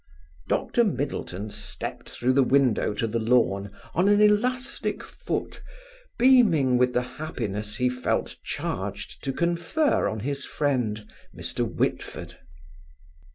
Dr Middleton stepped through the window to the lawn on an elastic foot, beaming with the happiness he felt charged to confer on his friend Mr. Whitford.